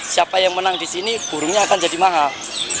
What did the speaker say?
siapa yang menang di sini burungnya akan jadi mahal